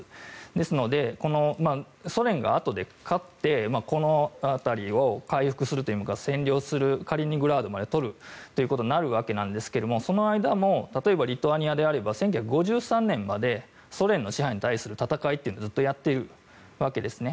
ですので、ソ連があとで勝ってこの辺りを回復するというか占領するカリーニングラードまで取るということになるわけなんですがその間も例えばリトアニアであれば１９５３年までソ連の支配に対する戦いというのをずっとやっているわけですね。